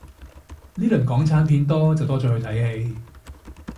呢輪港產片多就多咗去睇戲